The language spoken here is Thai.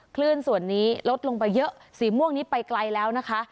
คลื่นส่วนนี้ลดลงไปเยอะสีม่วงนี้ไปไกลแล้วนะคะ